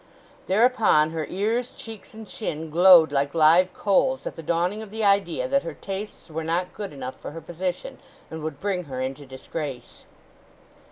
Thereupon her ears, cheeks, and chin glowed like live coals at the dawning of the idea that her tastes were not good enough for her position, and would bring her into disgrace.